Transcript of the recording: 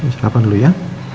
sarapan dulu ya